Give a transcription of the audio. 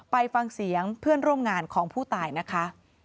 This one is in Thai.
ไปฟังเสียงเพื่อนร่วมงานของผู้ตายนะคะ